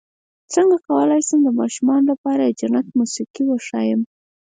څنګه کولی شم د ماشومانو لپاره د جنت موسيقي وښایم